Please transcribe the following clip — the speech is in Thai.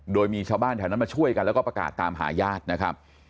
โดยมีชาวบ้านแถวนั้นมาช่วยกันแล้วก็ประกาศตามหาญาตินะครับ